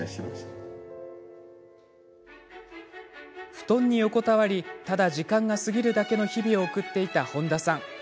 布団に横たわりただ時間が過ぎるだけの日々を送っていた、本多さん。